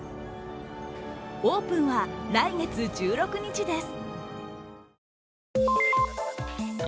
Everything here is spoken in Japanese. オープンは来月１６日です。